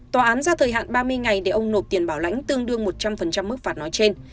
tòa án ra thời hạn ba mươi ngày để ông nộp tiền bảo lãnh tương đương một trăm linh mức phạt nói trên